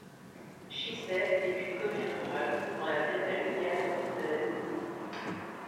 Chissey est une commune rurale, dans la plaine alluviale de la Loue.